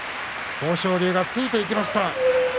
豊昇龍がついていきました。